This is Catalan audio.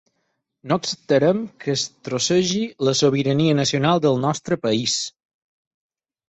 No acceptarem que es trossegi la sobirania nacional del nostre país.